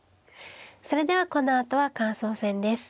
それではこのあとは感想戦です。